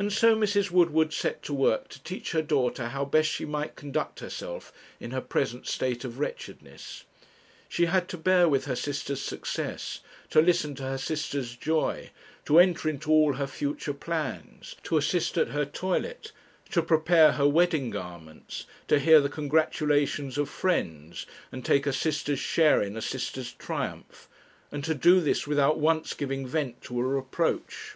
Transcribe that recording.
And so Mrs. Woodward set to work to teach her daughter how best she might conduct herself in her present state of wretchedness. She had to bear with her sister's success, to listen to her sister's joy, to enter into all her future plans, to assist at her toilet, to prepare her wedding garments, to hear the congratulations of friends, and take a sister's share in a sister's triumph, and to do this without once giving vent to a reproach.